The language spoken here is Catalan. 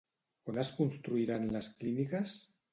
On es construiran les clíniques?